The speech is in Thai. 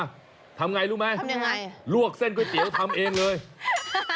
ทำอย่างไรรู้ไหมลวกเส้นก๋วยเตี๋ยวทำเองเลยทำยังไง